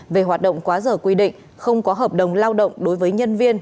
về hoạt động quá giờ quy định không có hợp đồng lao động đối với nhân viên